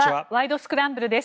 スクランブル」です。